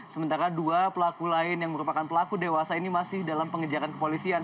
sementara dua pelaku lain yang merupakan pelaku dewasa ini masih dalam pengejaran kepolisian